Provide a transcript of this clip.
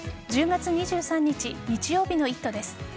１０月２３日日曜日の「イット！」です。